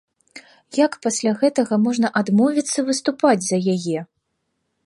Як пасля гэтага можна адмовіцца выступаць за яе?